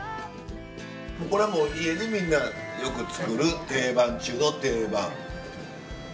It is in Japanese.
これはもう家でみんながよく作る定番中の定番。